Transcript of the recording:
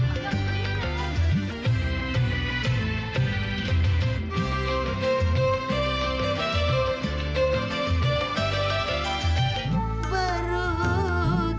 sampai jumpa lagi